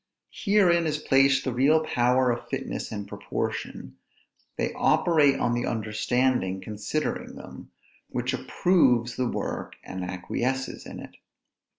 Herein is placed the real power of fitness and proportion; they operate on the understanding considering them, which approves the work and acquiesces in it.